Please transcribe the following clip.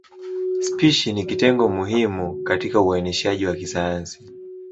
Spishi ni kitengo muhimu katika uainishaji wa kisayansi.